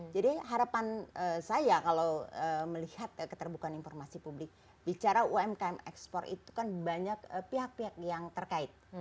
jadi harapan saya kalau melihat keterbukaan informasi publik bicara umkm ekspor itu kan banyak pihak pihak yang terkait